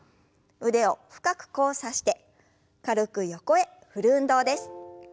腕を深く交差して軽く横へ振る運動です。